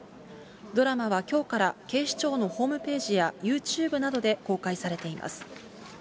ドラマはきょうから、警視庁のホームページやユーチューブなどで公開されています。